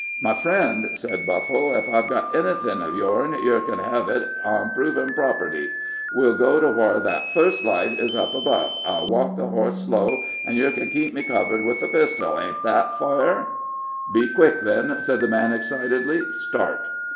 "My friend," said Buffle, "ef I've got anything uv yourn, yer ken hev it on provin' property. We'll go to whar that fust light is up above I'll walk the hoss slow an' yer ken keep me covered with the pistol; ain't that fair?" "Be quick, then," said the man, excitedly; "start!"